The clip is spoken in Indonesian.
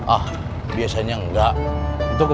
ah biasanya enggak